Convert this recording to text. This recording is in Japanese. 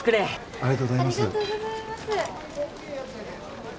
ありがとうございます。